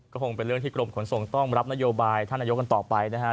ก็คงเป็นเรื่องที่กรมขนส่งต้องรับนโยบายท่านนายกกันต่อไปนะฮะ